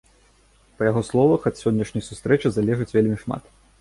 Па яго словах, ад сённяшняй сустрэчы залежыць вельмі шмат.